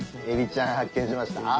海老ちゃん発見しました？